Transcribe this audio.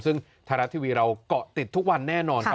ซึ่งไทยรัฐทีวีเราเกาะติดทุกวันแน่นอนครับ